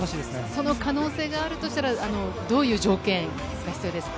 その可能性があるとしたらどういう条件が必要ですか？